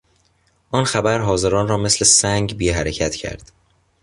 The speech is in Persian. آن خبر حاضران را مثل سنگ بی حرکت کرد.